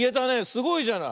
すごいじゃない。